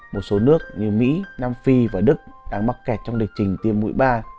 một số nước như mỹ nam phi và đức đang mắc kẹt trong lịch trình tiêm mũi ba